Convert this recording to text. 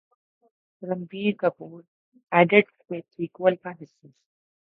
Ranbir Kapoor idiots کے sequel کا حصہ